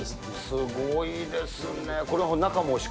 すごいですね。